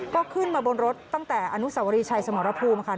ก็ขึ้นมาบนรถตั้งแต่อนุสวรีชัยสมรภูมิค่ะ